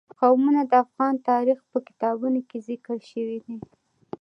قومونه د افغان تاریخ په کتابونو کې ذکر شوی دي.